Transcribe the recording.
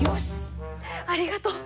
ありがとう！